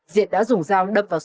diện đã dùng dao đâm vào sổ